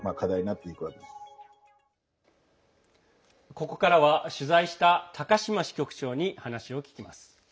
ここからは、取材した高島支局長に話を聞きます。